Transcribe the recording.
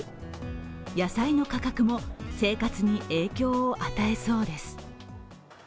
野菜の価格も生活に影響を与えそうです。